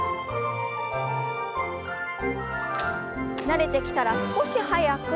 慣れてきたら少し速く。